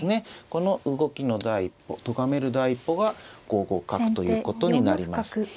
この動きの第一歩とがめる第一歩が５五角ということになります。